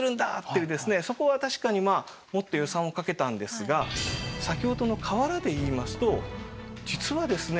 そこは確かにまあもっと予算をかけたんですが先ほどの瓦でいいますと実はですね